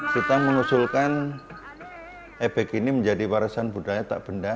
kita mengusulkan ebek ini menjadi warisan budaya tak benda